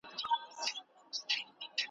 چي ما مه وژنۍ ما څوک نه دي وژلي .